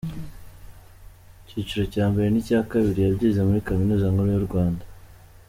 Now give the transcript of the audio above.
Icyiciro cya mbere n’icya kabiri, yabyize muri Kaminuza nkuru y’u Rwanda.